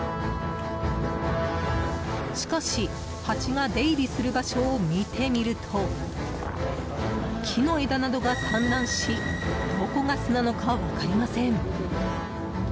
しかし、ハチが出入りする場所を見てみると木の枝などが散乱しどこが巣なのか分かりません。